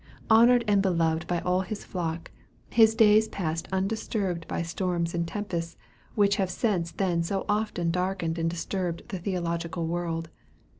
Honored and beloved by all his flock, his days passed undisturbed by the storms and tempests which have since then so often darkened and disturbed the theological world.